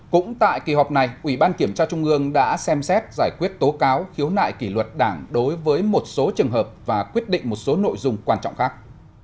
cũng tại kỳ họp này ủy ban kiểm tra trung ương đã xem xét giải quyết tố cáo khiếu nại kỷ luật đảng đối với một số trường hợp và quyết định một số nội dung quan trọng khác